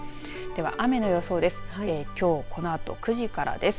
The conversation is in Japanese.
では、雨の予想です。